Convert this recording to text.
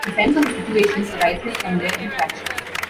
The sense of a situation arises from their interactions.